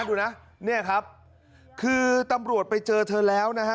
ดูนะเนี่ยครับคือตำรวจไปเจอเธอแล้วนะฮะ